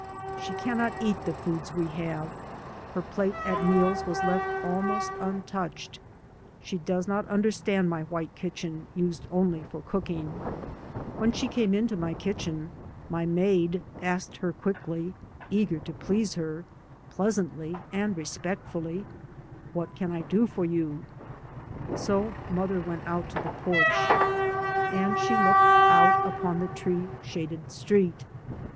She can not eat the foods we have; her plate at meals was left almost untouched. She does not un derstand my white kitchen, used only for cook ing. When she came into my kitchen my maid asked her quickly, eager to please her, [i66] 3 by Google M Yi MOTHER AND I pleasantly and respectfully, " What can I do for you?" So mother went out to the porch, and she looked out upon the tree shaded street.